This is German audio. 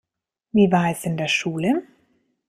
Wie war es in der Schule?